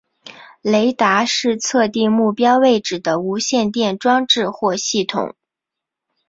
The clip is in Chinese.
雷达是测定目标位置的无线电装置或系统。